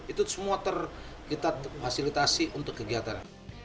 itu semua kita fasilitasi untuk kegiatan